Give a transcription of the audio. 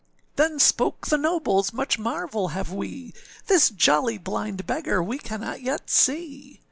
Then spoke the nobles, âMuch marvel have we This jolly blind beggar we cannot yet see!